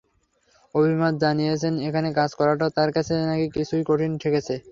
অমিতাভ জানিয়েছেন, এখানে কাজ করাটা তাঁর কাছে নাকি কিছুটা কঠিনই ঠেকছে।